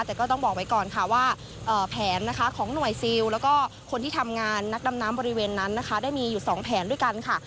แต่ก็ต้องบอกไว้ก่อนค่ะว่าแผนนะคะของหน่วยซิลแล้วก็คนที่ทำงานนักดำน้ำบริเวณนั้นนะคะได้มีอยู่๒แผนด้วยกันค่ะ